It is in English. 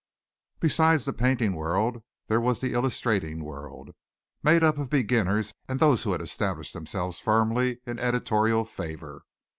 Beside the painting world there was the illustrating world, made up of beginners and those who had established themselves firmly in editorial favor.